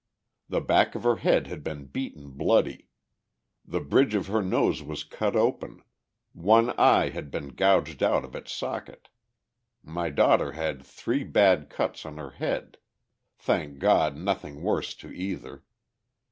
The back of her head had been beaten bloody. The bridge of her nose was cut open, one eye had been gouged out of its socket. My daughter had three bad cuts on her head thank God, nothing worse to either.